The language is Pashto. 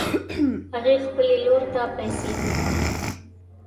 هغې خپلې لور ته پیسې ورکړې